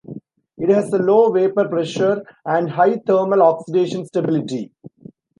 It has a low vapor pressure, and high thermal oxidation stability.